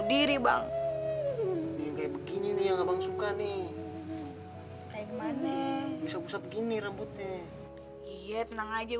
nyanyi aja bang yang enak yang